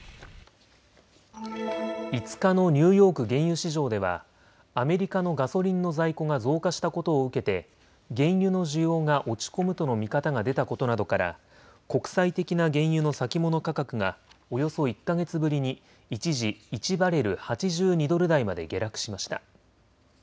５日のニューヨーク原油市場ではアメリカのガソリンの在庫が増加したことを受けて原油の需要が落ち込むとの見方が出たことなどから国際的な原油の先物価格がおよそ１か月ぶりに一時１バレル８２ドル台まで下落しました。